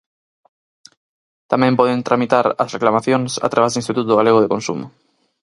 Tamén poden tramitar as reclamacións a través do Instituto Galego de Consumo.